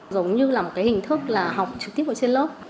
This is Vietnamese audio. giống như là một cái hình thức là học trực tiếp ở trên lớp